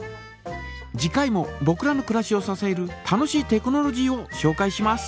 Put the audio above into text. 次回もぼくらのくらしをささえる楽しいテクノロジーをしょうかいします。